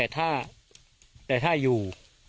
แต่ถ้าอยู่